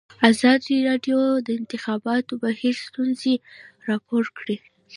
ازادي راډیو د د انتخاباتو بهیر ستونزې راپور کړي.